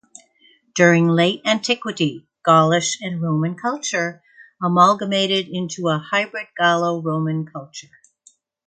During Late Antiquity, Gaulish and Roman culture amalgamated into a hybrid Gallo-Roman culture.